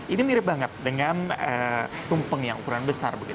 ini mirip banget dengan tumpeng yang ukuran besar